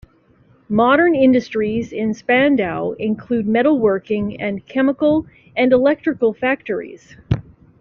Modern industries in Spandau include metal working, and chemical, and electrical factories.